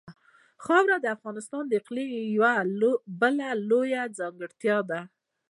خاوره د افغانستان د اقلیم یوه بله لویه ځانګړتیا ده.